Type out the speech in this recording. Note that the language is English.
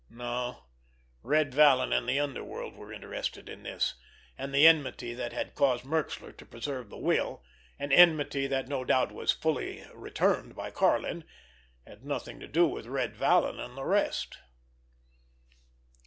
No; Red Vallon and the underworld were interested in this, and the enmity that had caused Merxler to preserve the will, an enmity that no doubt was fully returned by Karlin, had nothing to do with Red Vallon and the rest.